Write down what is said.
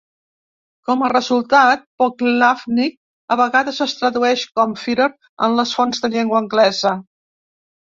Com a resultat, "Poglavnik" a vegades es tradueix com "Führer" en les fonts de llengua anglesa.